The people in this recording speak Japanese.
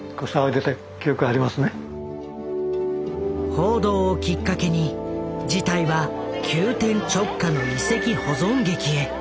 報道をきっかけに事態は急転直下の遺跡保存劇へ。